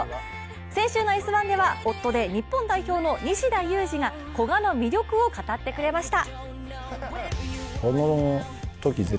先週の「Ｓ☆１」では夫で日本代表の西田有志が古賀の魅力を語ってくれました。